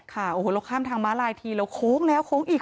ค่ะโอ้โหเราข้ามทางม้าลายทีเราโค้งแล้วโค้งอีก